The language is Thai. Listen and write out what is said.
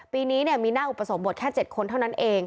ปีนี้เนี่ยมีหน้าอุปสรรค์บวชแค่๗คนเท่านั้นเอง